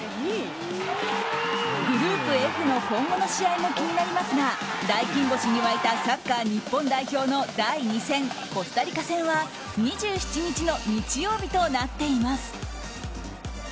グループＦの今後の試合も気になりますが大金星に沸いたサッカー日本代表の第２戦コスタリカ戦は２７日の日曜日となっています。